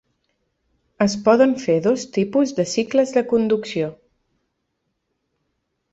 Es poden fer dos tipus de cicles de conducció.